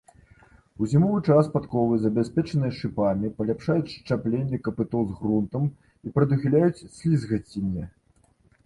У зімовы час падковы, забяспечаныя шыпамі, паляпшаюць счапленне капытоў з грунтам і прадухіляюць слізгаценне.